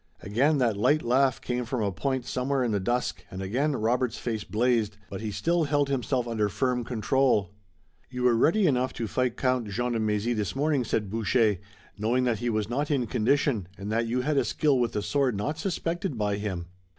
Again that light laugh came from a point somewhere in the dusk and again Robert's face blazed, but he still held himself under firm control. "You were ready enough to fight Count Jean de Mézy this morning," said Boucher, "knowing that he was not in condition and that you had a skill with the sword not suspected by him."